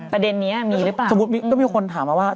ประเด็นนี้มีหรือเปล่า